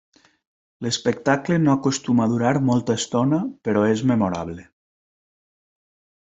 L'espectacle no acostuma a durar molta estona però és memorable.